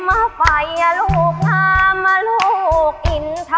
อ่ะลองดูค่ะมาเลยค่ะ